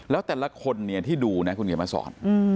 แล้วแต่ละคนที่ดูนะคุณเกียรติมาสอน